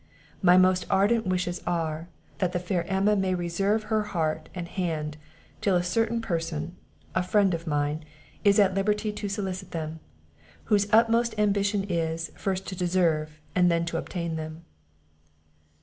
"My most ardent wishes are, that the fair Emma may reserve her heart and hand till a certain person, a friend of mine, is at liberty to solicit them; whose utmost ambition is, first to deserve, and then to obtain them."